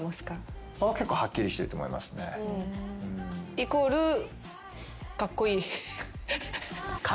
イコールカッコイイ？